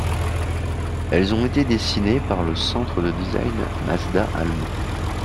Elles ont été dessinées par le centre de design Mazda allemand.